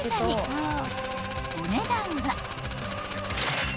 ［お値段は］